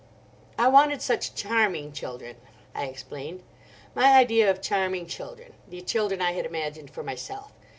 "I wanted such charming children," I explained—"my idea of charming children: the children I had imagined for myself.